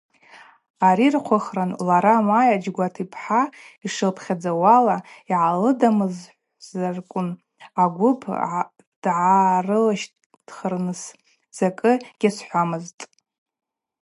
Ауи рхъвыхран, лара Майя Джьгват йпхӏа йшылпхьадзауала, йгӏалыдамыхӏвзарквын агвып дгӏарылырщтхырныс закӏы гьазхӏвамызтӏ.